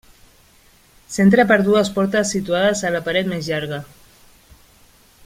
S'entra per dues portes situades a la paret més llarga.